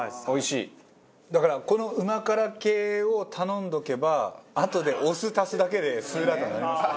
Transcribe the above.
だからこの旨辛系を頼んでおけばあとでお酢足すだけで酸辣湯になりますから。